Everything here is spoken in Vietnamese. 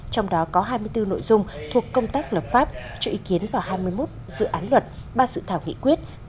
trong đó có hai mươi bốn nội dung thuộc công tác lập pháp trợ ý kiến vào hai mươi một dự án luật ba sự thảo nghị quyết